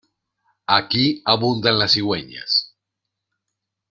Aquí abundan las cigüeñas.